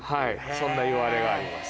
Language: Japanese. そんないわれがあります。